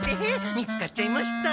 見つかっちゃいました？